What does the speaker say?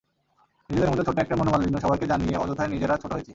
নিজেদের মধ্যে ছোট্ট একটা মনোমালিন্য সবাইকে জানিয়ে অযথাই নিজেরা ছোট হয়েছি।